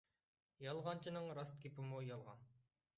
يالغانچىنىڭ راست گېپىمۇ يالغان.